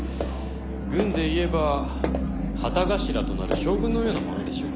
軍でいえば旗頭となる将軍のようなものでしょうか。